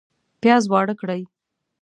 پیاز واړه کړئ